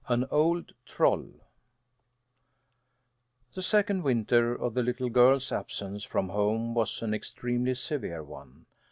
AN OLD TROLL The second winter of the little girl's absence from home was an extremely severe one.